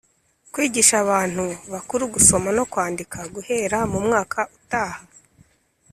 kwigisha abantu bakuru gusoma no kwandika guhera mu mwaka utaha